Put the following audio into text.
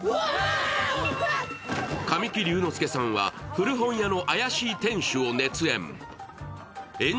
神木隆之介さんは古本屋の怪しい店主を熱演。